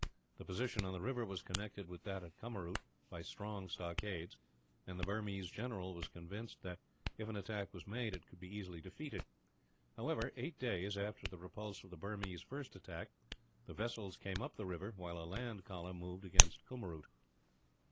The position on the river was connected with that at Kummeroot by strong stockades; and the Burmese general was convinced that, if an attack was made, it could be easily defeated. However, eight days after the repulse of the Burmese first attack, the vessels came up the river, while a land column moved against Kummeroot.